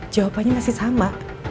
jawabannya masih sama